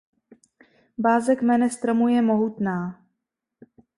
Báze kmene stromu je mohutná.